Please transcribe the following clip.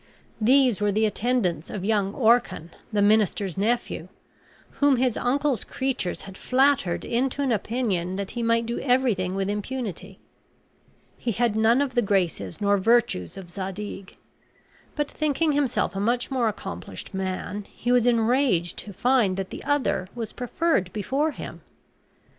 These were the attendants of young Orcan, the minister's nephew, whom his uncle's creatures had flattered into an opinion that he might do everything with impunity. He had none of the graces nor virtues of Zadig; but thinking himself a much more accomplished man, he was enraged to find that the other was preferred before him.